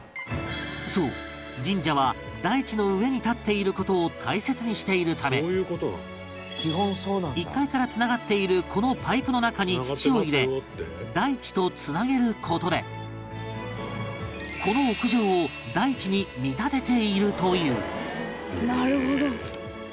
そう神社は大地の上に建っている事を大切にしているため１階からつながっているこのパイプの中に土を入れ大地とつなげる事でこの屋上を大地に見立てているという